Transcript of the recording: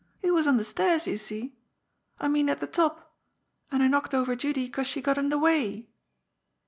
He was on the stairs, you see. I mean at the top. And I knocked over Judy, 'cause she got in the way."